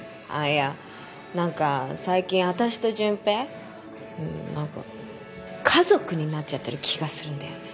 いやなんか最近私と純平うーんなんか家族になっちゃってる気がするんだよね。